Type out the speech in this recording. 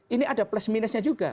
ini ada plus minusnya juga